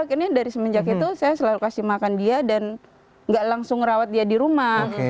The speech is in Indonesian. akhirnya dari semenjak itu saya selalu kasih makan dia dan nggak langsung rawat dia di rumah